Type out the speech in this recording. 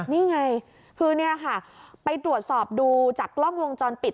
นี่ไงคือไปตรวจสอบดูจากล่องวงจรปิด